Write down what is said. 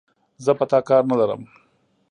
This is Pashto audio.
زه په تا کار نه لرم،